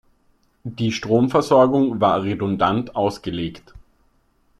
Die Stromversorgung war redundant ausgelegt.